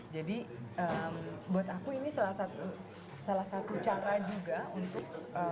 jadi buat aku ini salah satu cara juga untuk